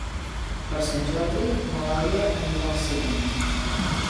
Per Sant Jordi na Laia anirà al cinema.